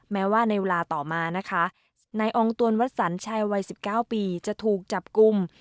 แม้ว่าในเวลาต่อมานะคะนายอองตวนวัดสรรชายวัย๑๙ปีจะถูกจับกลุ่ม